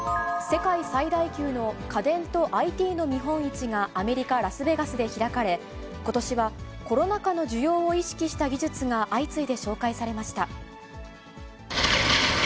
世界最大級の家電とＩＴの見本市が、アメリカ・ラスベガスで開かれ、ことしはコロナ禍の需要を意識した技術が相次いで紹介されました。